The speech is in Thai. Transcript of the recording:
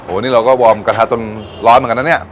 อันนี้เราก็วอร์มกระทะจนร้อนเหมือนกันนะเนี่ย